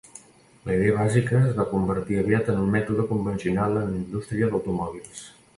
La idea bàsica es va convertir aviat en un mètode convencional en la indústria d'automòbils.